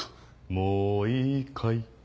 もういいかい？